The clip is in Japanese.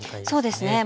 そうですね。